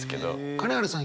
金原さん